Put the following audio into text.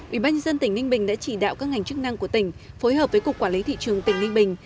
ubnd tỉnh ninh bình đã chỉ đạo các ngành chức năng của tỉnh phối hợp với cục quản lý thị trường tỉnh ninh bình